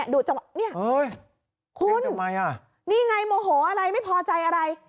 ดูจังหวะเนี่ยคุณนี่ไงโมโหอะไรไม่พอใจอะไร